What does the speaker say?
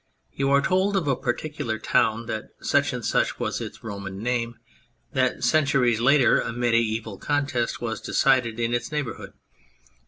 You are told of a particular town that such was its Roman name ; that centuries later such a mediaeval contest was decided in its neighbourhood.